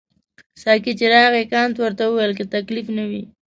ساقي چې راغی کانت ورته وویل که تکلیف نه وي.